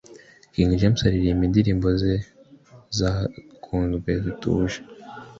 King James aririmba indirimbo ze zakunzwe zituje